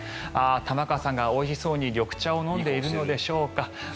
玉川さんがおいしそうに緑茶を飲んでいるんでしょうか。